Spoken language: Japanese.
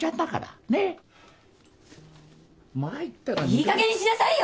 いいかげんにしなさいよ！